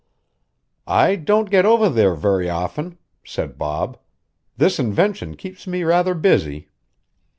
"I don't get over there very often," said Bob. "This invention keeps me rather busy."